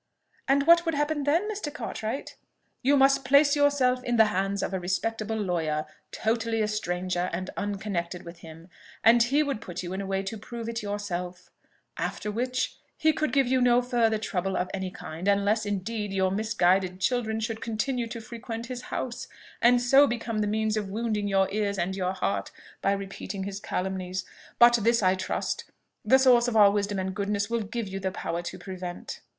"And what would happen then, Mr. Cartwright?" "You must place yourself in the hands of a respectable lawyer, totally a stranger and unconnected with him, and he would put you in a way to prove it yourself; after which he could give you no further trouble of any kind: unless, indeed, your misguided children should continue to frequent his house, and so become the means of wounding your ears and your heart by repeating his calumnies. But this, I trust, the source of all wisdom and goodness will give you power to prevent."